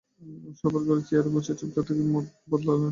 শোবার ঘরের চেয়ারে কিছুক্ষণ চুপচাপ বসে থেকে তিনি মত বদলালেন।